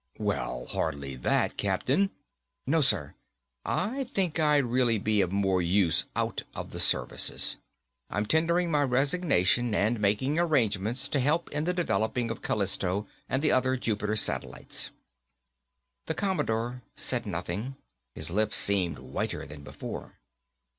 "Well, hardly that, Captain." "No, sir, I think I'd really be of more use out of the services. I'm tendering my resignation and making arrangements to help in the developing of Callisto and the other Jupiter satellites." The Commodore said nothing. His lips seemed whiter than before.